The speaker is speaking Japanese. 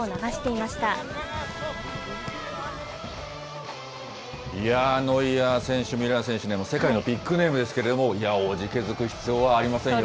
いやー、ノイアー選手、ミュラー選手、世界のビッグネームですけれども、おじけづく必要はありませんよ。